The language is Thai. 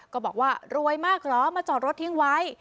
ก็บอกว่ารวยมากเหรอมาจอดรถทิ้งไว้